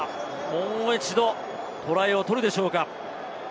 もう一度、トライを取るでしょうか。